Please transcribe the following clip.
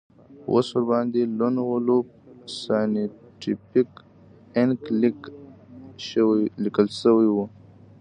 اوس ورباندې لون وولف سایینټیفیک انک لیکل شوي وو